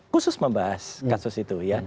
khusus membahas kasus itu ya